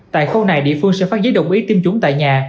tại khâu này địa phương sẽ phát giấy đồng ý tiêm chủng tại nhà